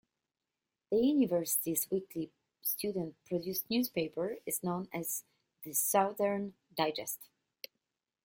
The university's weekly student produced newspaper is known as "The Southern Digest".